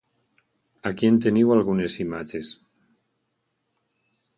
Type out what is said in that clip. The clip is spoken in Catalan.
Aquí en teniu algunes imatges.